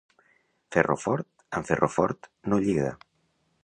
Ferro fort, amb ferro fort, no lliga.